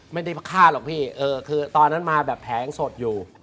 ไม่ได้ฆ่าหรอกพี่เออคือตอนนั้นมาแบบแผงสดอยู่